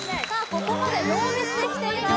ここまでノーミスできています